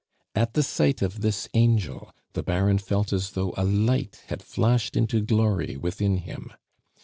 At the sight of this angel the Baron felt as though a light had flashed into glory within him.